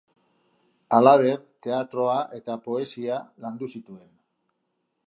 Halaber, teatroa eta poesia landu zituen.